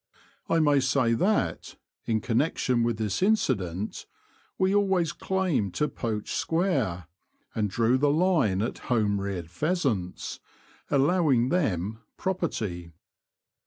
I may say that, in connection with this incident, we always claimed to poach square, and drew the line at home reared pheasants — allowing them '' property."